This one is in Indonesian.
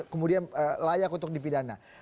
kemudian layak untuk dipidana